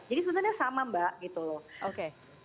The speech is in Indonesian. jadi sebenarnya sama mbak